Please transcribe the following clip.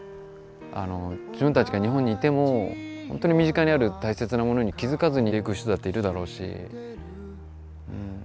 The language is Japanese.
あの自分たちが日本にいても本当に身近にある大切なものに気付かずに生きていく人だっているだろうし。